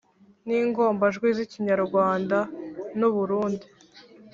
ningombajwi z’ikinyarwanda, nuburundi